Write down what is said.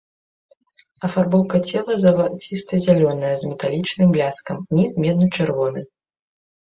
Афарбоўка цела залаціста-зялёная з металічным бляскам, ніз медна-чырвоны.